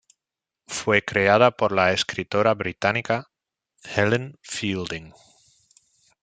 Fue creada por la escritora británica Helen Fielding.